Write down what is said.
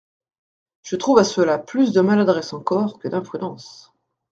Je trouve à cela plus de maladresse encore que d'imprudence.